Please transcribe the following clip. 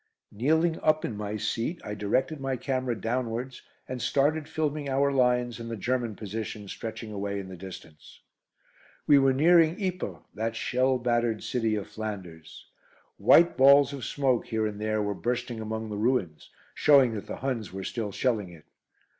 Kneeling up in my seat, I directed my camera downwards and started filming our lines and the German position stretching away in the distance. We were nearing Ypres, that shell battered city of Flanders. White balls of smoke here and there were bursting among the ruins, showing that the Huns were still shelling it.